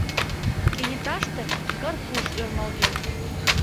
Кенеташте Карпуш ӧрмалген.